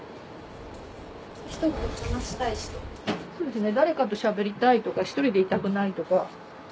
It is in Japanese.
そうですね。